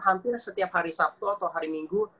hampir setiap hari sabtu atau hari minggu